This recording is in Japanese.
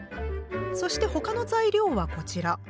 そして他の材料はこちら。